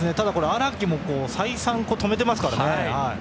荒木も再三止めていますからね。